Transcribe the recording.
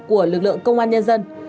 của lực lượng công an nhân dân